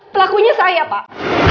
pelakunya saya pak